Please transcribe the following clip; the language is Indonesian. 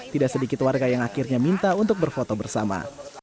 tidak sedikit warga yang akhirnya minta untuk berfoto bersama